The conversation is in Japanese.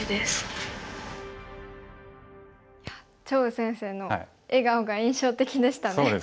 張栩先生の笑顔が印象的でしたね。